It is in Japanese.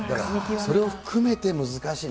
それを含めて難しい。